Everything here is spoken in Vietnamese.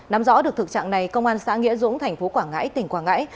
nắm rõ được thực trạng này công an xã nghĩa dũng thành phố quảng ngãi tỉnh quảng ngãi